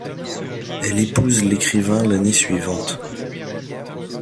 Elle épouse l'écrivain l'année suivante.